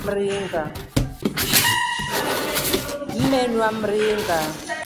Mmenua mringa.